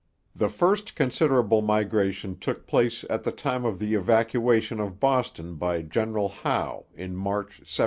The first considerable migration took place at the time of the evacuation of Boston by General Howe in March 1776.